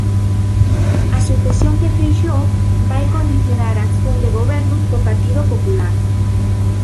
A sucesión de Feixóo vai condicionar a acción de goberno do Partido Popular.